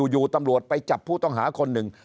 อยู่ตำรวจไปจับผู้ต้องหาคนหนึ่ง